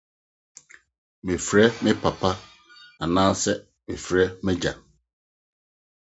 Mefrɛ me papa.